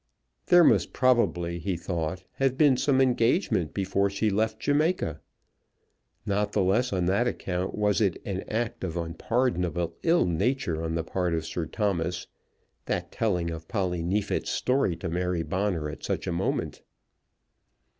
There must probably, he thought, have been some engagement before she left Jamaica. Not the less on that account was it an act of unpardonable ill nature on the part of Sir Thomas, that telling of Polly Neefit's story to Mary Bonner at such a moment.